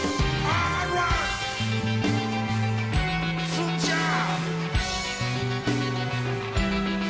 つーちゃん。